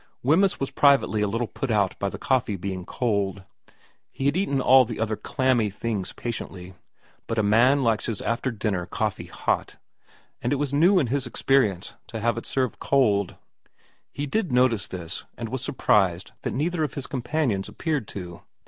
Wemyss was privately a little put out by the coffee being cold. He had eaten all the other clammy things patiently, but a man likes his after dinner coffee hot, and it was new in his experience to have it served cold. He did notice this, and was surprised that neither of his companions appeared to.